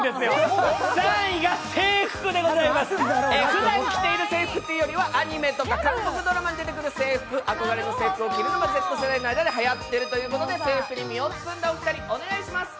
ふだん来ている制服というよりはアニメとか韓国ドラマに出てくる制服、憧れの制服を着るのがＺ世代ではやってるということで、制服に身を包んだお二人、お願いします。